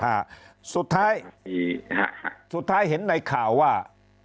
อ่าสุดท้ายฮะสุดท้ายเห็นในข่าวว่า